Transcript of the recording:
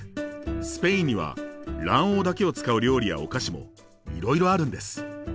スペインには卵黄だけを使う料理やお菓子もいろいろあるんです。